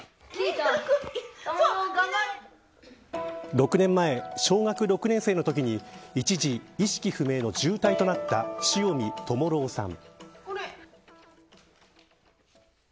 ６年前、小学６年生のときに一時、意識不明の重体となった塩見和朗さん。